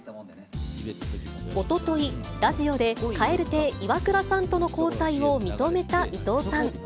おととい、ラジオで蛙亭・イワクラさんとの交際を認めた伊藤さん。